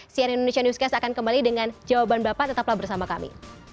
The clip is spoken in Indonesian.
cnn indonesia newscast akan kembali dengan jawaban bapak tetaplah bersama kami